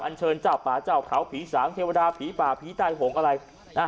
อันเชิญเจ้าป่าเจ้าเขาผีสามเทวดาผีป่าผีใต้หงก์อะไรอ่า